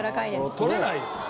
取れないよ。